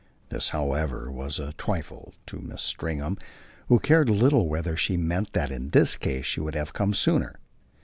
This, however, was a trifle to Mrs. Stringham, who cared little whether she meant that in this case she would have come sooner.